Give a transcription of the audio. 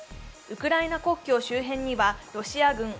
ウクライナ国境周辺にはロシア軍